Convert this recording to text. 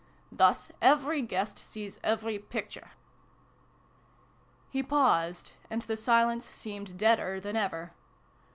Thus every guest sees every picture !" He paused, and the silence seemed deader than ever.